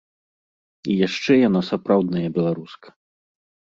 І яшчэ яна сапраўдная беларуска.